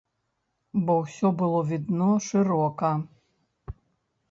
Бо ўсё было відно шырока.